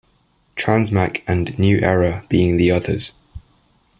Transmac and New Era being the others.